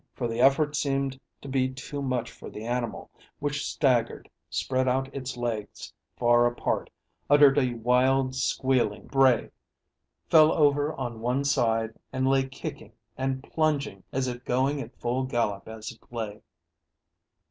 For the effort seemed to be too much for the animal, which staggered, spread out its legs far apart, uttered a wild squealing bray, fell over on one side, and lay kicking and plunging as if going at full gallop as it lay.